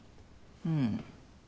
うん。